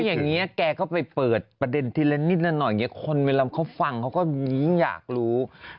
อย่างนี้แกก็ไปเปิดประเด็นทีละนิดละหน่อยคนเวลาเขาฟังเขาก็ยิ่งอยากรู้